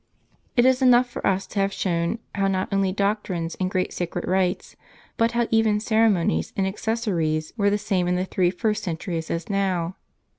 It is enough for us to have shown, how not only doc trines and great sacred rites, but how even ceremonies and accessories were the same in the three first centuries as now.